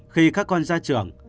khi các con ra trường